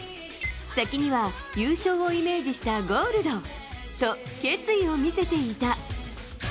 先には優勝をイメージしたゴールドと決意を見せていた。